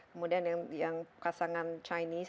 kemudian yang pasangan chinese